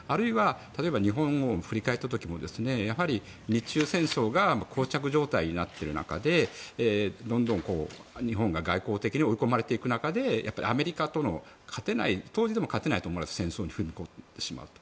あるいは日本を振り返った時も日中戦争がこう着状態になっている中でロンドンと日本が外交的に追い込まれていく中でアメリカと当時でも勝てないと思われていた戦争に踏み込んでしまったと。